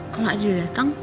kalau adi udah datang